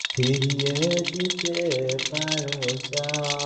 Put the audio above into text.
তিনি একজন কর্মঠ মহাকাশ পর্যবেক্ষক ছিলেন।